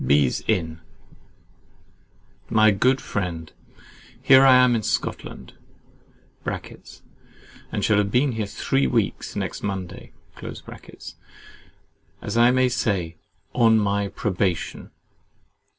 Bees Inn. My good friend, Here I am in Scotland (and shall have been here three weeks, next Monday) as I may say, ON MY PROBATION.